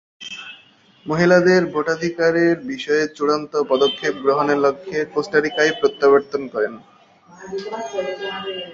মহিলাদের ভোটাধিকারের বিষয়ে চূড়ান্ত পদক্ষেপ গ্রহণের লক্ষ্যে কোস্টারিকায় প্রত্যাবর্তন করেন।